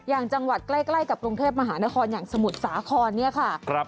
อย่างจังหวัดใกล้กับกรุงเทพมหานครอย่างสมุทรสาครเนี่ยค่ะ